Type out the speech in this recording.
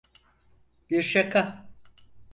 Bir Şaka.